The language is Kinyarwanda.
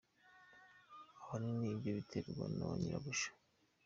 Ahanini ibyo biterwa na ba nyirabuja.